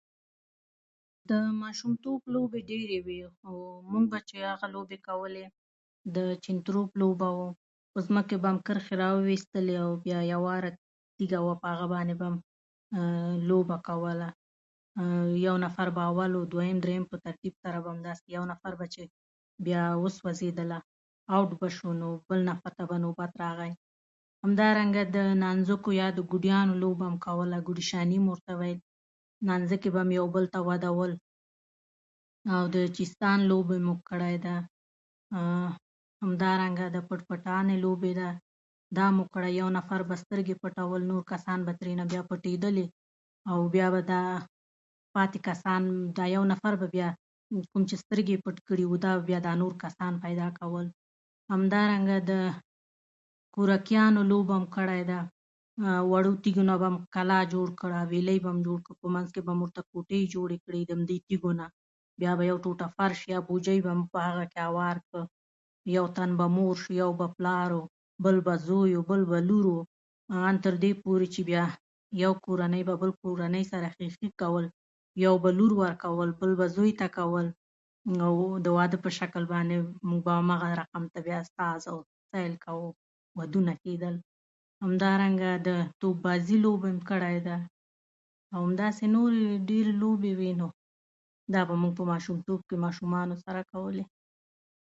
ځوانانو څو څو ځله د ځنګل له ځايه د څيړۍ لرګي راوړل او په څنګ کې يي کېښودل